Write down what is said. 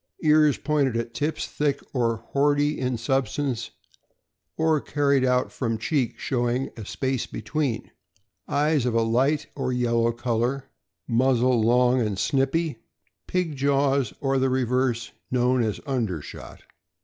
Ears pointed at tips, thick or boardy in substance, or carried out from cheek, showing a space between. Eyes of a light or yellow color. Muzzle long and snipy. Pig jaws or the reverse, known as under shot.